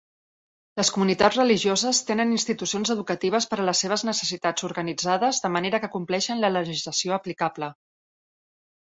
Les comunitats religioses tenen institucions educatives per a les seves necessitats organitzades de manera que compleixen la legislació aplicable.